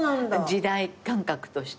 時代感覚としてね。